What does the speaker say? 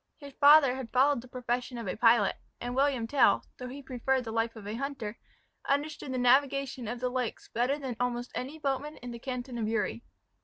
His father had followed the profession of a pilot, and William Tell, though he preferred the life of a hunter, understood the navigation of the lakes better than almost any boatman in the canton of Uri.